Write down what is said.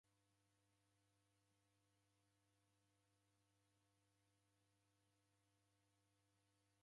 Agha matuku nacha nikalemwagha ni kuruda miruke nicha.